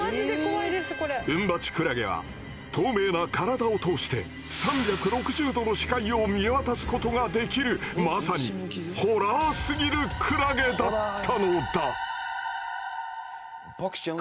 ウンバチクラゲは透明な体を通して３６０度の視界を見渡すことができるまさにホラーすぎるクラゲだったのだ。